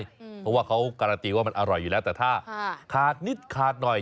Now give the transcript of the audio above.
เพราะว่าเขาการันตีว่ามันอร่อยอยู่แล้วแต่ถ้าขาดนิดขาดหน่อย